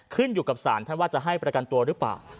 ขึ้นอยู่กับสารท่านว่าจะให้ประกันตัวหรือเปล่า